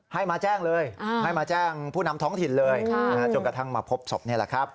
ให้มาแจ้งเลยให้มาแจ้งผู้นำท้องถิ่นเลยจนกระทั่งมาพบศพนี่แหละครับ